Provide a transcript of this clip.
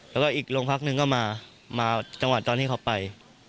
แล้วก็อีกโรงพักหนึ่งก็มามาจังหวะตอนที่เขาไป